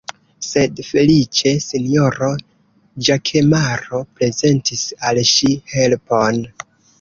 Sed feliĉe sinjoro Ĵakemaro prezentis al ŝi helpon.